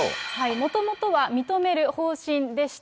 もともとは認める方針でした。